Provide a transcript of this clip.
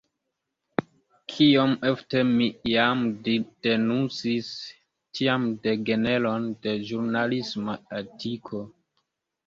Kiom ofte mi jam denuncis tian degeneron de ĵurnalisma etiko!